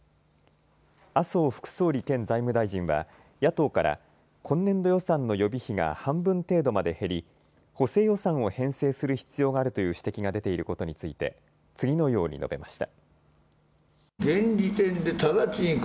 麻生副総理兼財務大臣は野党から今年度予算の予備費が半分程度まで減り補正予算を編成する必要があるという指摘が出ていることについて次のように述べました。